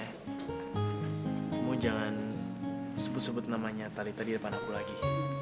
kamu jangan sebut sebut namanya talenta di depan aku lagi